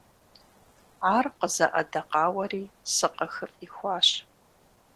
Ар къызэӀэдэкъауэри сыкъыхыфӀихуащ.